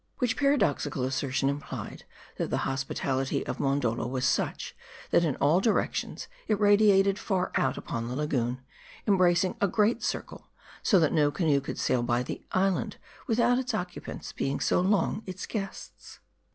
Which paradoxical assertion implied, that the hospitality of Mondol do was such, that in all directions it radiated far out upon the lagoon, embracing a great circle ; so that no canoe could sail by the island, without its occupants being so long its guests.